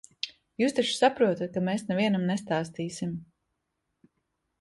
Jūs taču saprotat, ka mēs nevienam nestāstīsim.